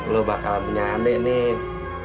lu bakal punya andi nih